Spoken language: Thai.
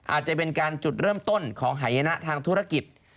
อาจจะเป็นการจุดเริ่มต้นของหายนะทางธุรกิจ